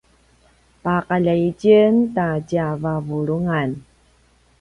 paqaljai itjen ta tjavavulungan